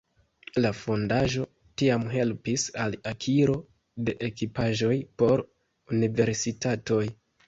La fondaĵo tiam helpis al akiro de ekipaĵoj por universitatoj.